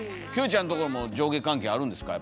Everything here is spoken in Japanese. ちゃんところも上下関係あるんですか？